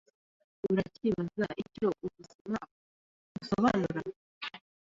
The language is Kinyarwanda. Uracyibaza icyo ubuzima busobanura?